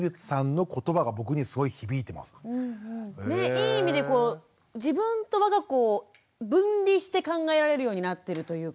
いい意味でこう自分と我が子を分離して考えられるようになってるというかね。